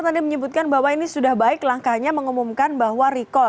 tadi menyebutkan bahwa ini sudah baik langkahnya mengumumkan bahwa recall